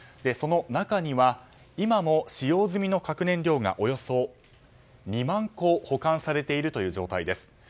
その中には今も使用済み核燃料がおよそ２万個保管されているという状態です。